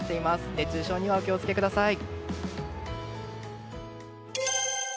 熱中症にはお気を付けください。